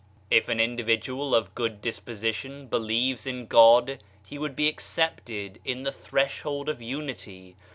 If an individual of good disposition believes in God, he would be accepted in the Threshold of Unity.